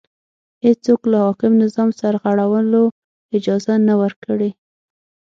هېڅوک له حاکم نظام سرغړولو اجازه نه ورکړي